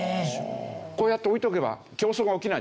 こうやっておいとけば競争が起きないでしょ。